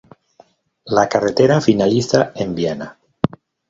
La carretera finaliza en Viana.